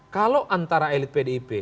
kalau antara elit pdip